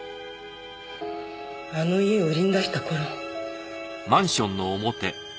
あの家を売りに出した頃。